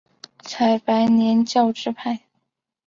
采白莲教支派。